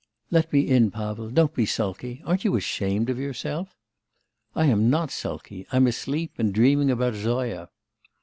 'Let me in, Pavel; don't be sulky; aren't you ashamed of yourself?' 'I am not sulky; I'm asleep and dreaming about Zoya.